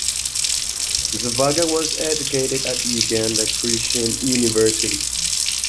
Nsubuga was educated at Uganda Christian University.